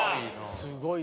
すごいな。